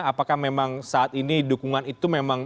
apakah memang saat ini dukungan itu memang